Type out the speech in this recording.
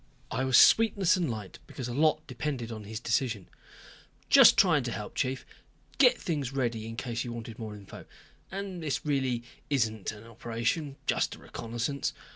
I was sweetness and light because a lot depended on his decision. "Just trying to help, chief, get things ready in case you wanted more info. And this isn't really an operation, just a reconnaissance.